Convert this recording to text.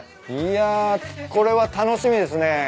いやこれは楽しみですね。